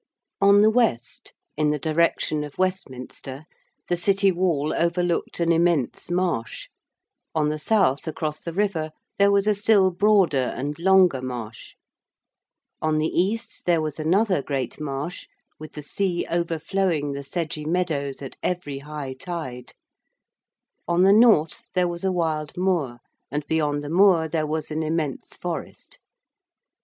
On the west, in the direction of Westminster, the City wall overlooked an immense marsh: on the south across the river there was a still broader and longer marsh: on the east there was another great marsh with the sea overflowing the sedgy meadows at every high tide: on the north there was a wild moor and beyond the moor there was an immense forest.